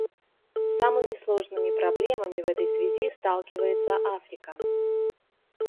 С самыми сложными проблемами в этой связи сталкивается Африка.